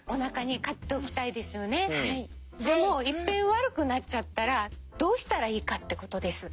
でもいっぺん悪くなっちゃったらどうしたらいいかって事です。